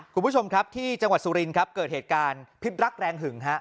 คุณผู้ชมครับที่จังหวัดสุรินครับเกิดเหตุการณ์พิษรักแรงหึงฮะ